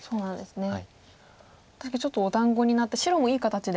確かにちょっとお団子になって白もいい形で。